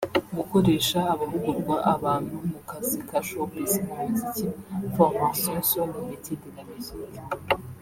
gukoresha amahugurwa abantu mu kazi ka showbiz mu muziki (Formation sur lesmétiers de la musique)